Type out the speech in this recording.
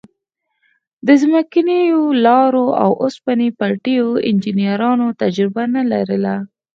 د ځمکنیو لارو او اوسپنې پټلیو انجنیرانو تجربه نه لرله.